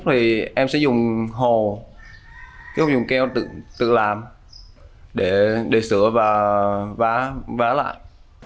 thì em sẽ dùng hồ tiêu dùng keo tự làm để sửa và vá lại